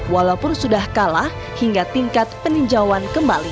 walaupun sudah kalah hingga tingkat peninjauan kembali